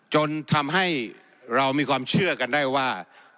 จนทำให้เรามีความเชื่อกันได้ว่า